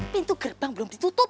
pintu gerbang belum ditutup